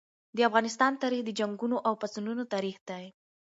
د افغانستان تاریخ د جنګونو او پاڅونونو تاریخ دی.